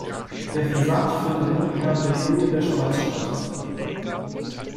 Der Versand findet nur innerhalb der EU und der Schweiz statt.